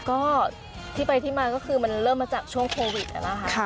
ก็ที่ไปที่มาก็คือมันเริ่มมาจากช่วงโควิดนะคะ